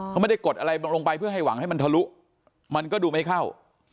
เขาไม่ได้กดอะไรลงไปเพื่อให้หวังให้มันทะลุมันก็ดูไม่เข้า